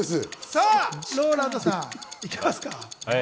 さぁ、ＲＯＬＡＮＤさん、行きますか？